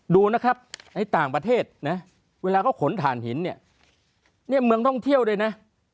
ดูนะครับในต่างประเทศนะเวลาเขาขนถ่านหินเนี่ยเมืองท่องเที่ยวด้วยนะ